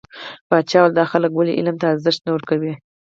پاچا وويل: دا خلک ولې علم ته ارزښت نه ورکوي .